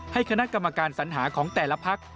คณะกรรมการสัญหาของแต่ละพัก